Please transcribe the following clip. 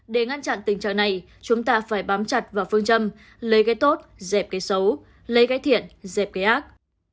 để ngăn chặn tình trạng này chúng ta phải bám chặt vào phương châm lấy cái tốt dẹp cái xấu lấy cái thiện dẹp cái ác